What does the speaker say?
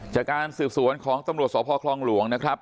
จากการสืบสวนของตำรวจสพคลองหลวงนะครับ